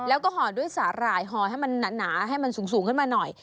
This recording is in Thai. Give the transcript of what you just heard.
แล้วก็ห่อด้วยสาหร่ายห่อให้มันหนาให้มันสูงขึ้นมาหน่อย